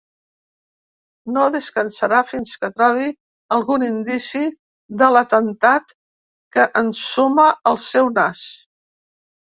No descansarà fins que trobi algun indici de l'atemptat que ensuma el seu nas.